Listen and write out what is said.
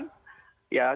ya cukup rumit